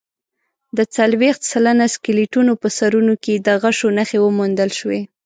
د څلوېښت سلنه سکلیټونو په سرونو کې د غشو نښې وموندل شوې.